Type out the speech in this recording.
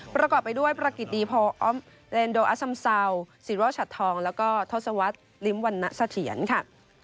ประกอบไปด้วยประกิจดีพอเรนโดอัสซัมเซาศิโรชัดทองแล้วก็ทศวรรษลิ้มวรรณเสถียรค่ะ